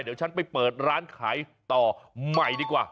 เดี๋ยวฉันไปเปิดร้านขายต่อใหม่ดีกว่า